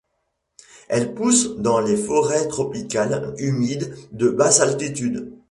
Elle pousse dans les forêts tropicales humides de basse altitude.